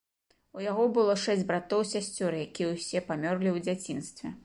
У яго было шэсць братоў і сясцёр, якія ўсе памерлі ў дзяцінстве.